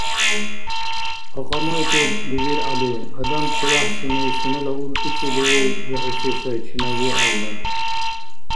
КьакьамайкӀуд, ДибиргӀяли, адам ЧевяхӀсини сунела уркӀецӀилиув вихӀуси сай чинавалра.